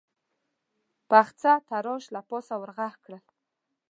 پخڅه تراش له پاسه ور غږ کړل: